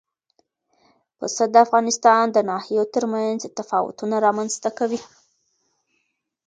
پسه د افغانستان د ناحیو ترمنځ تفاوتونه رامنځ ته کوي.